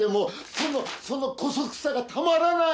そのその姑息さがたまらない！